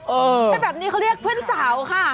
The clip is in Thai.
แต่แบบนี้เขาเรียกเพื่อนสาวค่ะ